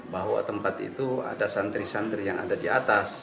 bahwa tempat itu ada santri santri yang ada di atas